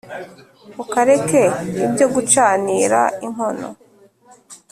ukareka ibyo gucanira inkono